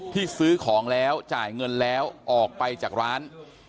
ที่ซื้อของแล้วจ่ายเงินแล้วออกไปจากร้าน